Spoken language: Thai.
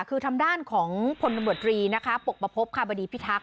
คือทำด้านของพลนบรินะคะปกปภพคาบดีพิทักษ์